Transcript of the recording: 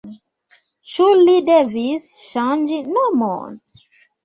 Ĉu li devis ŝanĝi nomon?